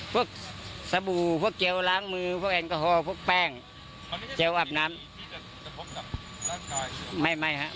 พวกสบู่เกียวล้างมือเกียวแอลกอฮอล์พวกแป้งเกียวอับน้ำ